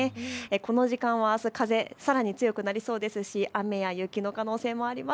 この時間、風あすはもっと強くなりそうですし雪も降る可能性があります。